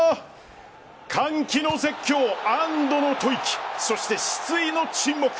歓喜の絶叫、安堵の吐息そして失意の沈黙。